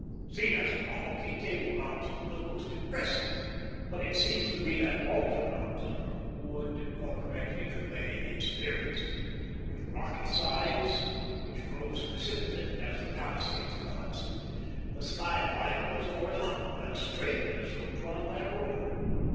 Seen as a novelty, Table Mountain was most impressive; but it seems to me that Altar Mountain would more correctly convey its appearance. With rocky sides, which rose precipitate as the Palisades of the Hudson, the sky line was horizontal, and straight as though drawn by a ruler.